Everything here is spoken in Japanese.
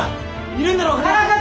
いるんだろカナ！